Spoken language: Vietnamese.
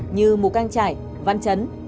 như mùa căng trải văn trấn